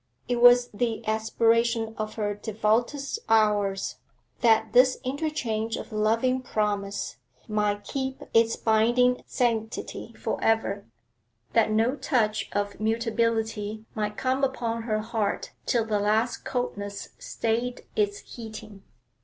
It was the aspiration of her devoutest hours that this interchange of loving promise might keep its binding sanctity for ever, that no touch of mutability might come upon her heart till the last coldness stayed its heating.